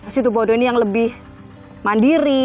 situbondo ini yang lebih mandiri